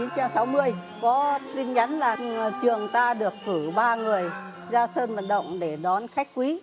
có tin nhắn là trường ta được cử ba người ra sân vận động để đón khách quý